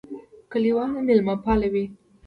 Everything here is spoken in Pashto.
کلیوال مېلمهپاله وي.